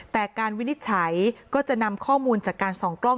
แต่การวินิจฉัยก็จะนำข้อมูลจากการส่องกล้อง